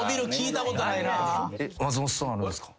松本さんあるんすか？